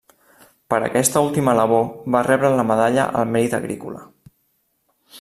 Per aquesta última labor va rebre la Medalla al Mèrit Agrícola.